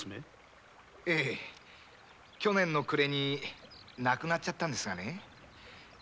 去年の暮れに亡くなったんですがね。